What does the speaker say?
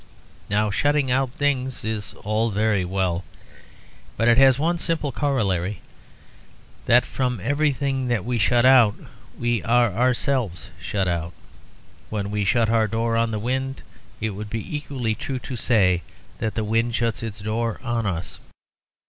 Now shutting out things is all very well, but it has one simple corollary that from everything that we shut out we are ourselves shut out. When we shut our door on the wind, it would be equally true to say that the wind shuts its door on us.